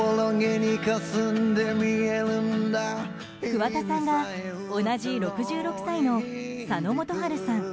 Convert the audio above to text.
桑田さんが同じ６６歳の佐野元春さん